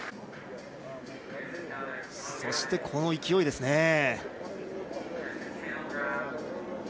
そしてこの勢いですね。